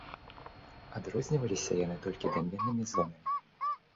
Адрозніваліся яны толькі даменнымі зонамі.